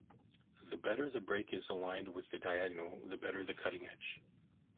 The better the break is aligned with the diagonal, the better the cutting edge.